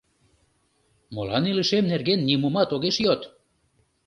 «Молан илышем нерген нимомат огеш йод?